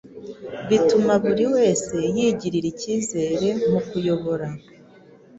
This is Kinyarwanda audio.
bituma buri wese yigirira ikizere mu kuyobora